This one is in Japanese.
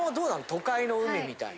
都会の海みたいな。